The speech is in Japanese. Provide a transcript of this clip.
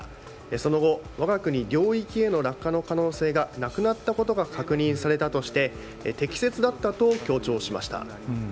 その後、わが国領域への落下の可能性がなくなったことが確認されたとして、適切だったと強調しました。